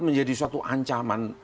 menjadi suatu ancaman